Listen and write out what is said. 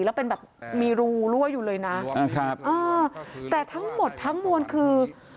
แล้วเป็นแบบมีรูรั่วอยู่เลยนะแต่ทั้งหมดทั้งมวลคือ